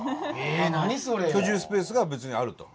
居住スペースが別にあると。